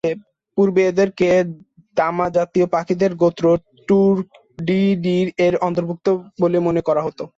পূর্বে এদেরকে দামাজাতীয় পাখিদের গোত্র টুর্ডিডি-এর অন্তর্ভুক্ত বলে মনে করা হত।